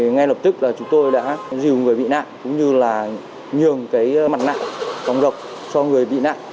ngay lập tức là chúng tôi đã dìu người bị nạn cũng như là nhường cái mặt nạc tòng độc cho người bị nạn